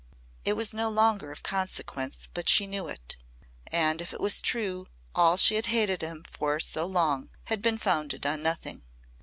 It was no longer of consequence but she knew it. And if it was true all she had hated him for so long had been founded on nothing.